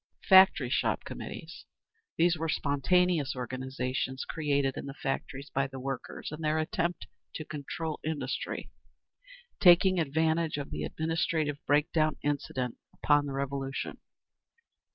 3. Factory Shop Committees. These were spontaneous organisations created in the factories by the workers in their attempt to control industry, taking advantage of the administrative break down incident upon the Revolution.